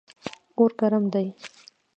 اور ګرم دی.